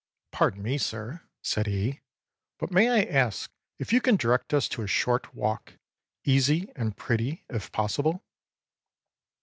âPardon me, sir,â said he, âbut may I ask if you can direct us to a short walk, easy and pretty, if possible?